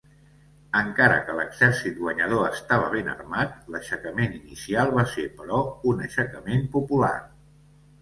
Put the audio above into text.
Encara que l'exèrcit guanyador estava ben armat, l'aixecament inicial va ser però un aixecament popular.